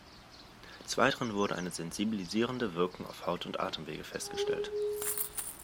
Des Weiteren wurde eine sensibilisierende Wirkung auf die Haut und die Atemwege festgestellt.